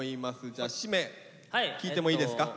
じゃあしめ聞いてもいいですか。